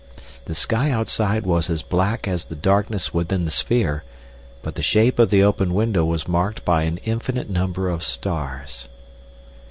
The sky outside was as black as the darkness within the sphere, but the shape of the open window was marked by an infinite number of stars.